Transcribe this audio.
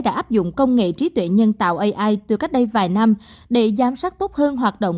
đã áp dụng công nghệ trí tuệ nhân tạo ai từ cách đây vài năm để giám sát tốt hơn hoạt động